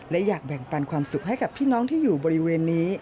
และอยากแบ่งปันความสุขให้กับพี่น้องที่อยู่บริเวณนี้